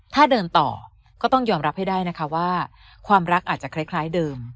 ถ้าเดินต่อก็ต้องยอมรับให้ได้นะคะว่าความรักอาจจะคล้ายเดิม